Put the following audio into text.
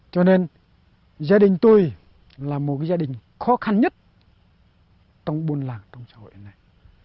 cho nên gia đình tôi là một gia đình khó khăn nhất trong buôn làng trong xã hội này